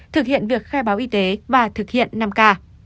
thực hiện việc khai báo y tế và thực hiện năm k